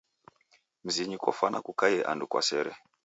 Mzinyi kofwana kukaie andu kwa sere.